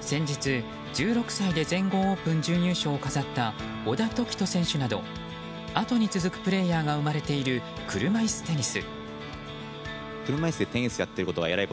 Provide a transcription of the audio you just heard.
先日、１６歳で全豪オープン準優勝を飾った小田凱人選手など、後に続くプレーヤーが生まれている車いすテニス。